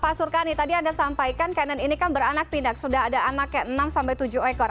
pak surkani tadi anda sampaikan canon ini kan beranak pinak sudah ada anaknya enam sampai tujuh ekor